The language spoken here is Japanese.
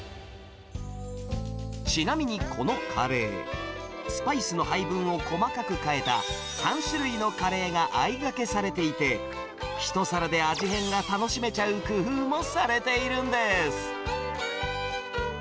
ちなみにこのカレー、スパイスの配分を細かく変えた、３種類のカレーがあいがけされていて、１皿で味変が楽しめちゃう工夫もされているんです。